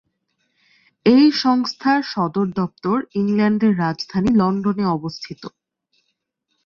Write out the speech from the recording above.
এই সংস্থার সদর দপ্তর ইংল্যান্ডের রাজধানী লন্ডনে অবস্থিত।